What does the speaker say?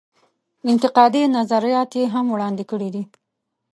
انتقادي نظرات یې هم وړاندې کړي دي.